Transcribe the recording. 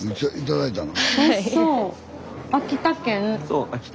頂いたの？